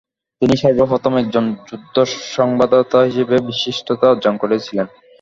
তিনি সর্বপ্রথম একজন যুদ্ধ সংবাদদাতা হিসাবে বিশিষ্টতা অর্জন করেছিলেন।